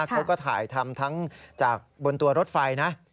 เขาก็ถ่ายทำทั้งจากบนตัวรถไฟนะ